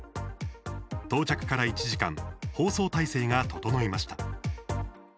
到着から１時間放送体制が整いました。